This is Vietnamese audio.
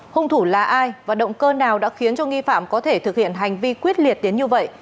hung thủ là ai và động cơ nào đã khiến cho nghi phạm có thể thực hiện hành vi quyết liệt đến như vậy